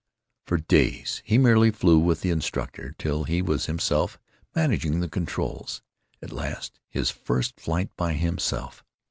For days he merely flew with the instructor, till he was himself managing the controls. At last, his first flight by himself.